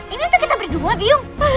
ini untuk kita berdua bingung